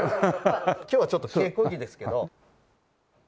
今日はちょっと稽古着ですけど。